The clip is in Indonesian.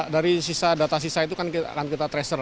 dari sisa data sisa itu akan kita treasure